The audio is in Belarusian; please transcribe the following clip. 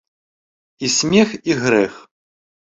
І смех і грэх.